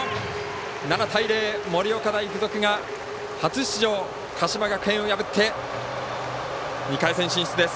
７対０、盛岡大付属が初出場、鹿島学園を破って２回戦進出です。